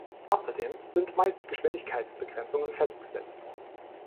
Außerdem sind meist Geschwindigkeitsbegrenzungen festgesetzt.